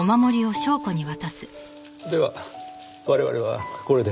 では我々はこれで。